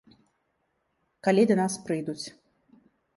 Калі да нас прыйдуць.